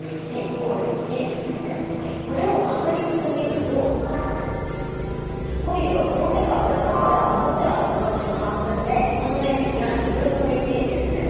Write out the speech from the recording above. これを確率と見るとコインは表か裏だから表はそのうちの半分でこの面積は２分の１ですね。